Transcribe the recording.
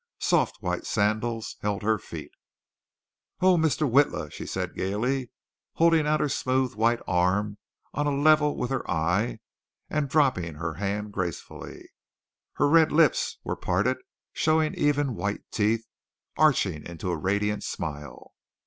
Soft white sandals held her feet. "Oh, Mr. Witla!" she said gaily, holding out her smooth white arm on a level with her eyes and dropping her hand gracefully. Her red lips were parted, showing even white teeth, arching into a radiant smile.